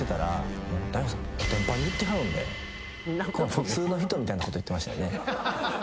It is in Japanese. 「普通の人」みたいなこと言ってましたよね。